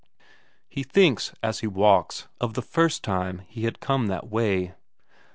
He thinks, as he walks, of the first time he had come that way.